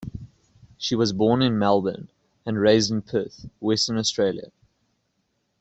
She was born in Melbourne and raised in Perth, Western Australia.